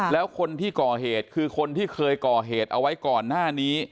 แล้วคนที่ก่อเหตุคือคนที่เคยก่อเหตุเอาไว้ก่อนหน้านี้